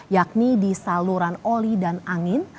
yakni di saluran oli dan angin